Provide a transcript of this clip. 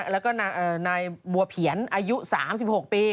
แล้วก็นายบัวเผียนอายุ๓๖ปี